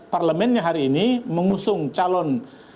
parlemennya hari ini mengusung calon